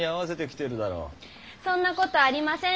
そんなことありませーん。